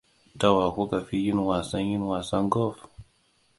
Da wa kuka fi yin wasan yin wasan Golf?